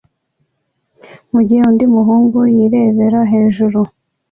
mugihe undi muhungu yirebera hejuru